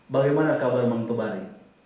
bagaimana kabar mang tebali